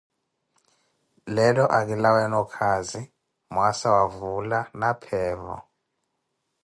leelo akilaweene okaazi, mwaasa wa vuula and pheevo